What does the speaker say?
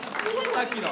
さっきの。